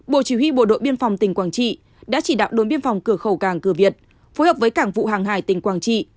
bộ chỉ huy bộ đội biên phòng tỉnh quảng trị đã chỉ đạo đồn biên phòng cửa khẩu càng cửa việt phối hợp với cảng vụ hàng hải tỉnh quảng trị